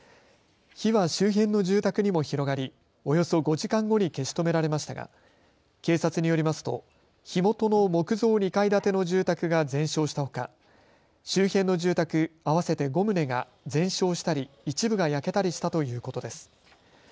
火は周辺の住宅にも広がりおよそ５時間後に消し止められましたが警察によりますと火元の木造２階建ての住宅が全焼したほか周辺の住宅、合わせて５棟が全焼したり一部が焼けたりしたということです。